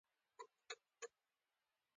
امیر وسلې ومنلې.